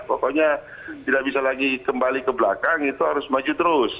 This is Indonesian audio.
pokoknya tidak bisa lagi kembali ke belakang itu harus maju terus